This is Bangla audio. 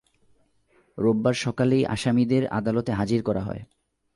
রোববার সকালেই আসামীদের আদালতে হাজির করা হয়।